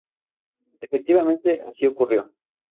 Efectivamente así ocurrió.